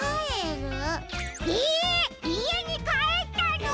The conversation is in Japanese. えいえにかえったの！？